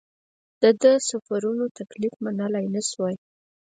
ده د سفرونو تکلیف منلای نه شوای.